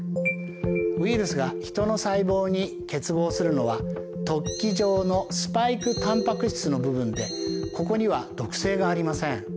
ウイルスがヒトの細胞に結合するのは突起状のスパイクタンパク質の部分でここには毒性がありません。